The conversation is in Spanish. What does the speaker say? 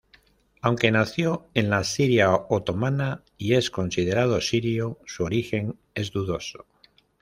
Aunque nació en la Siria otomana y es considerado sirio, su origen es dudoso.